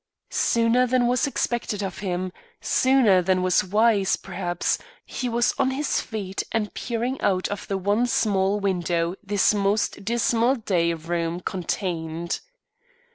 Sooner than was expected of him, sooner than was wise, perhaps, he was on his feet and peering out of the one small window this most dismal day room contained.